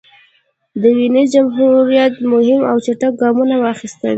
د وینز جمهوریت مهم او چټک ګامونه واخیستل.